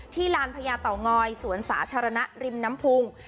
ลานพญาเต่างอยสวนสาธารณะริมน้ำพุง